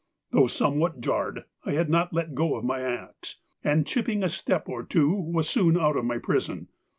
Though somewhat jarred, I had not let go of my axe, and chipping a step or two, was soon out of my prison.